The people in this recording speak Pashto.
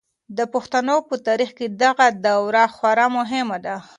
د پښتنو په تاریخ کې دغه دوره خورا مهمه ده.